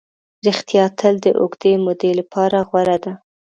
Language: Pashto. ریښتیا تل د اوږدې مودې لپاره غوره ده.